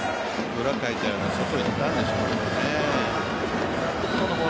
裏かいたような外いったんでしょうけどね。